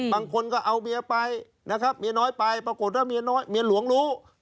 บางคนก็เอาเมียไปนะครับเมียน้อยไปปรากฏว่าเมียน้อยเมียหลวงรู้